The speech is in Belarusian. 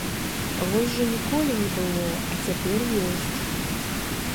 Вось жа ніколі не было, а цяпер ёсць!